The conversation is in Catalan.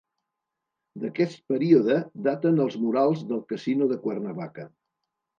D'aquest període daten els murals del Casino de Cuernavaca.